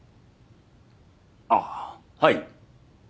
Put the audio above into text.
あっはい。